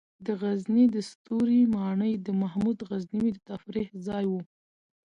د غزني د ستوري ماڼۍ د محمود غزنوي د تفریح ځای و